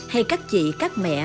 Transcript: hay các chị các mẹ